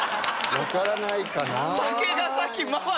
分からないかなー。